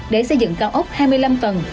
để xây dựng cao ốc hai mươi năm tầng